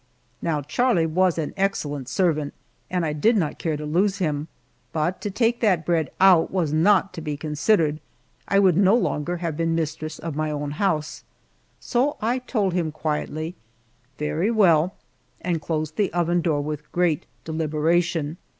Now Charlie was an excellent servant and I did not care to lose him, but to take that bread out was not to be considered. I would no longer have been mistress of my own house, so I told him quietly, "Very well," and closed the oven door with great deliberation.